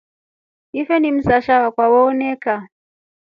Ife ni msasha akwa wewonika.